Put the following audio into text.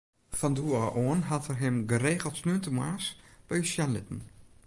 Fan doe ôf oan hat er him geregeld sneontemoarns by ús sjen litten.